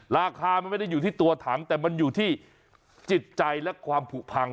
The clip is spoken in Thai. ราคามันไม่ได้อยู่ที่ตัวถังแต่มันอยู่ที่จิตใจและความผูกพัง